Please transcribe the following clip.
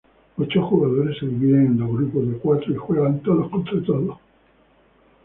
Ocho jugadores se dividen en dos grupos de cuatro, y juegan todos contra todos.